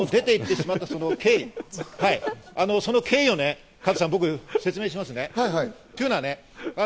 出て行ってしまった経緯、その経緯をね、加藤さん、僕説明しますね。